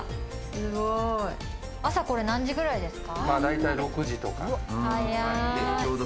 朝、これ何時ぐらいですか？